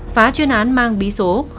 phá chuyên án mang bí số một mươi tám m